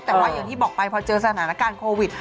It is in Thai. แต่ว่าอย่างที่บอกไปพอเจอสถานการณ์โควิด